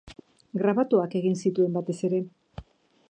Grabatuak egin zituen batez ere.